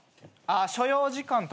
所要時間とか。